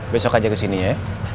besok aja kesini ya